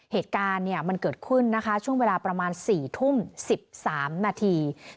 เหตุการณ์มันเกิดขึ้นนะคะช่วงเวลาประมาณ๔ทุ่ม๑๓นาที